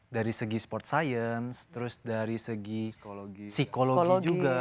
dari segi sport science terus dari segi psikologi juga